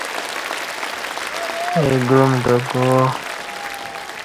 اہ گعام تہ گوا